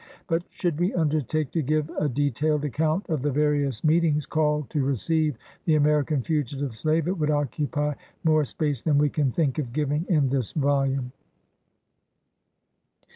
But should we undertake to give a detailed account" of the various meetings called to receive the American fugitive slave, it would occupy more space than we can think of giving in this volume.